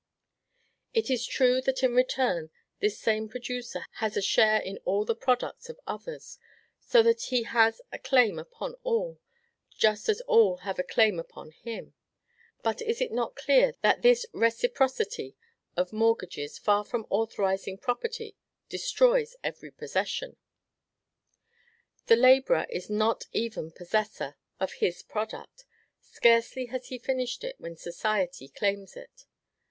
It is true that in return this same producer has a share in all the products of others, so that he has a claim upon all, just as all have a claim upon him; but is it not clear that this reciprocity of mortgages, far from authorizing property, destroys even possession? The laborer is not even possessor of his product; scarcely has he finished it, when society claims it.